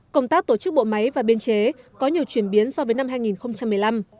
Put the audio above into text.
công tác tổ chức bộ máy và biên chế có nhiều chuyển biến so với năm hai nghìn một mươi năm